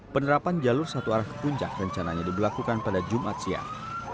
penerapan jalur satu arah ke puncak rencananya diberlakukan pada jumat siang